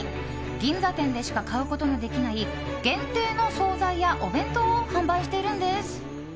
銀座店でしか買うことのできない限定の総菜やお弁当を販売しているんです。